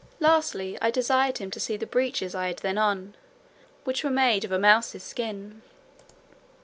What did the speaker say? Lastly, I desired him to see the breeches I had then on, which were made of a mouse's skin.